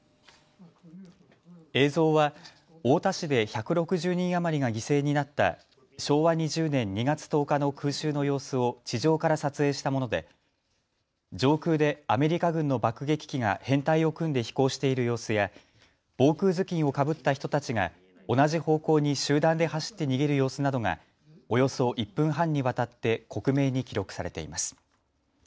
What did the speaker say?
映像は太田市で１６０人余りが犠牲になった昭和２０年２月１０日の空襲の様子を地上から撮影したもので上空でアメリカ軍の爆撃機が編隊を組んで飛行している様子や防空頭巾をかぶった人たちが同じ方向に集団で走って逃げる様子などがおよそ１分半にわたって克明に記録されています。